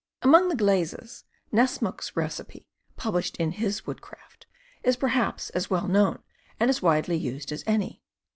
Among the glazes, Nessmuk's recipe, published in his Woodcraft, is perhaps as well known and as widely used as any.